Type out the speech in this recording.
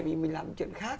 vì mình làm chuyện khác